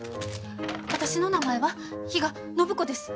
私の名前は比嘉暢子です。